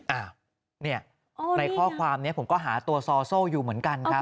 อ้าวเนี่ยในข้อความนี้ผมก็หาตัวซอโซ่อยู่เหมือนกันครับ